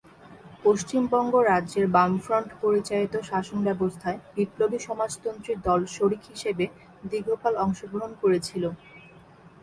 পশ্চিমবঙ্গ রাজ্যের বামফ্রন্ট পরিচালিত শাসনব্যবস্থায় বিপ্লবী সমাজতন্ত্রী দল শরিক হিসেবে দীর্ঘকাল অংশগ্রহণ করেছিল।